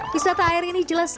wisata air ini jelas